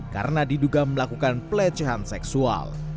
karena diduga melakukan pelecehan seksual